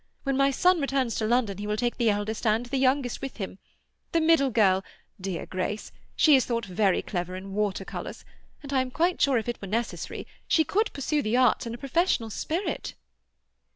When my son returns to London he will take the eldest and the youngest with him. The middle girl, dear Grace—she is thought very clever in water colours, and I am quite sure, if it were necessary, she could pursue the arts in a professional spirit."